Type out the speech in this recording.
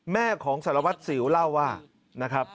แม่ของสารวัตรสิวเล่าว่านะครับ